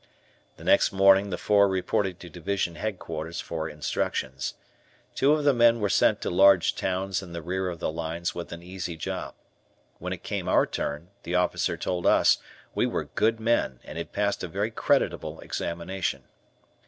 The next morning the four reported to Division Headquarters for instructions. Two of the men were sent to large towns in the rear of the lines with an easy job. When it came our turn, the officer told us we were good men and had passed a very creditable examination.